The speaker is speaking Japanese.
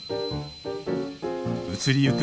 移りゆく